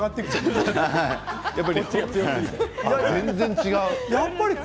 全然違う。